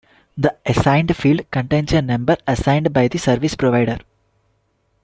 The Assigned field contains a number assigned by the service provider.